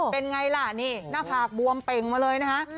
เป็นไงล่ะนี่หน้าผากบวมเป่งมาเลยนะคะ